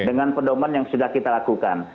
dengan pedoman yang sudah kita lakukan